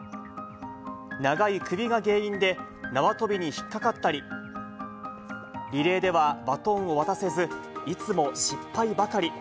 長い首が原因で、縄跳びに引っ掛かったり、リレーではバトンを渡せず、いつも失敗ばかり。